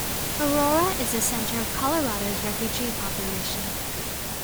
Aurora is a center of Colorado's refugee population.